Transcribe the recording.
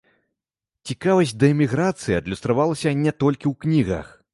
Цікавасць да эміграцыі адлюстравалася не толькі ў кнігах.